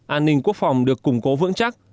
an ninh quốc phòng được củng cố vững chắc